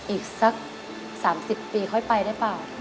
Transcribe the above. อีกสัก๓๐ปี